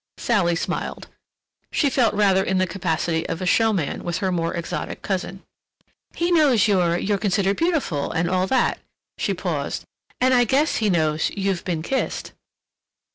Sally smiled. She felt rather in the capacity of a showman with her more exotic cousin. "He knows you're—you're considered beautiful and all that"—she paused—"and I guess he knows you've been kissed."